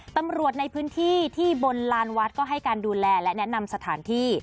ตำรวจในพื้นที่ที่บนลานวัดก็ให้การดูแลและแนะนำสถานที่